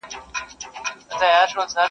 چي آسانه پر دې ښځي سي دردونه -